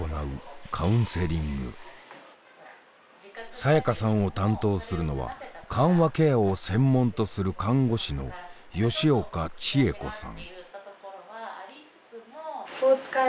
さやかさんを担当するのは緩和ケアを専門とする看護師の吉岡千惠子さん。